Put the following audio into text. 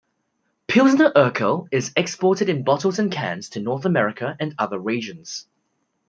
Pilsner Urquell is exported in bottles and cans to North America and other regions.